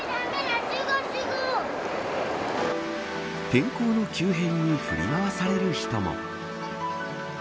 天候の急変に振り回される人も。